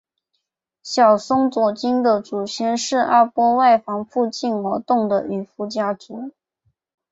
小松左京的祖先是阿波外房附近活动的渔夫家族。